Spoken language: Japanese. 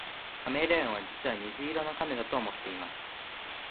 カメレオンは実は虹色の亀だと思っています